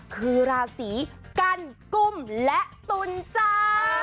คือราศีกรรรกุ่มและตุนจ้า